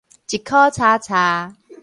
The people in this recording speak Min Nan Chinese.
一箍柴柴